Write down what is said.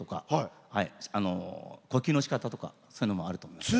呼吸のしかたとかそういうのもあると思います。